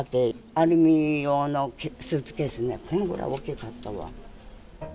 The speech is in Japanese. アルミ用のスーツケース、このぐらい大きかったわ。